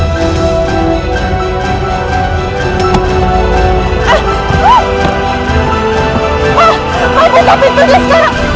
pak pak kita pintunya sekarang